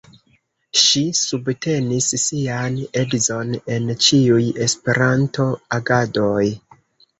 Ŝi subtenis sian edzon en ĉiuj Esperanto-agadoj.